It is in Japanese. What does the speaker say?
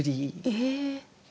ええ！